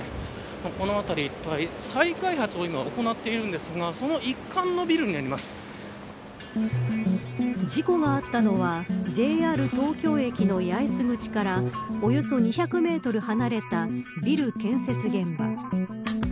この辺り一帯再開発を今行っているんですが事故があったのはＪＲ東京駅の八重洲口からおよそ２００メートル離れたビル建設現場。